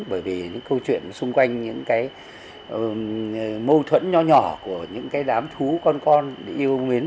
bởi vì những câu chuyện xung quanh những mâu thuẫn nhỏ nhỏ của những đám thú con con yêu mến